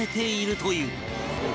という